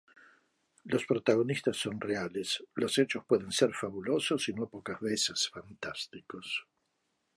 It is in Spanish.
Los protagonistas son reales; los hechos pueden ser fabulosos y no pocas veces fantásticos.